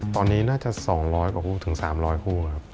ตอนนี้น่าจะ๒๐๐กว่าคู่ถึง๓๐๐คู่ครับ